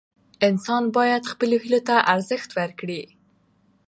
انسان باید خپلو هیلو ته ارزښت ورکړي.